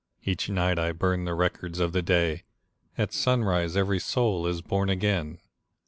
Each night I burn the records of the day, — At sunrise every soul is born again